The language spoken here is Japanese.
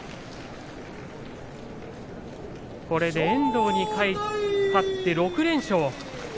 これで遠藤に勝って６連勝。